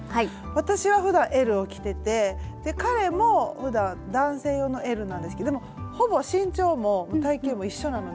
私はふだんＬを着てて彼もふだん男性用のＬなんですけどでもほぼ身長も体型も一緒なので。